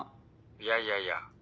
いやいやいや。